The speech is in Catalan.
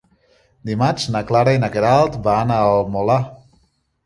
Dimarts na Clara i na Queralt van al Molar.